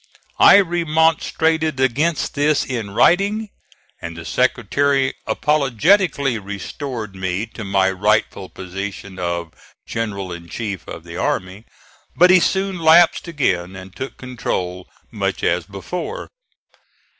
I remonstrated against this in writing, and the Secretary apologetically restored me to my rightful position of General in Chief of the Army. But he soon lapsed again and took control much as before.